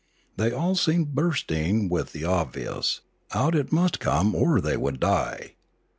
They all seemed bursting with the obvious; out it must come or they would die.